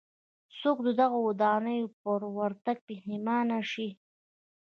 څوک دغو ودانیو ته پر ورتګ پښېمانه شي.